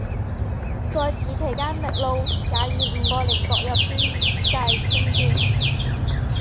在此期间秘鲁也与五个邻国有边界争端。